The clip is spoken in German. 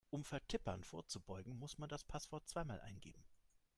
Um Vertippern vorzubeugen, muss man das Passwort zweimal eingeben.